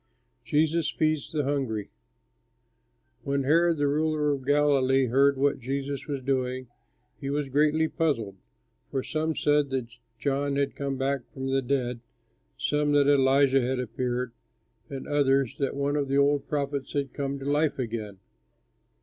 JESUS FEEDS THE HUNGRY When Herod the ruler of Galilee heard what Jesus was doing, he was greatly puzzled, for some said that John had come back from the dead, some that Elijah had appeared, and others that one of the old prophets had come to life again.